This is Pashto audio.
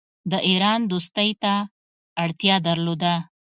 د ایران دوستی ته اړتیا درلوده.